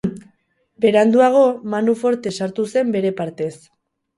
Beranduago, Manu Forte sartu zen bere partez.